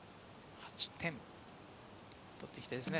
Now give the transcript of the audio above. ８点取っていきたいですね。